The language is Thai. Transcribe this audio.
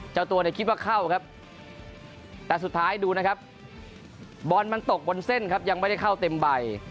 เจ้าตัวนี่คิดว่าเข้าครับ